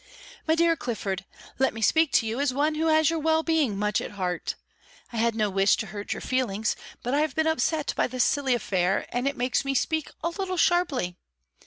"My dear Clifford, let me speak to you as one who has your well being much at heart. I have no wish to hurt your feelings, but I have been upset by this silly affair, and it makes me speak a little sharply.